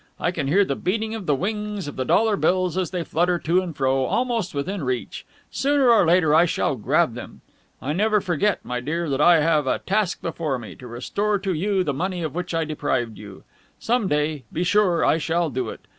I can hear the beating of the wings of the dollar bills as they flutter to and fro, almost within reach. Sooner or later I shall grab them. I never forget, my dear, that I have a task before me to restore to you the money of which I deprived you. Some day be sure I shall do it.